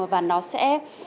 và nó sẽ